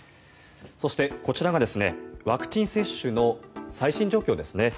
そして、こちらがワクチン接種の最新状況ですね。